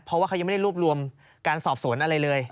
เพราะว่าเขายังไม่ได้รวบรวมการสอบสวนอะไรเลย